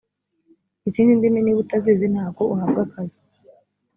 izindi ndimi niba utazizi ntago uhabwa akazi